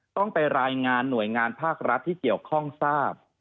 ต้องไปรายงานหน่วยงานภาครัฐที่เกี่ยวข้องทราบ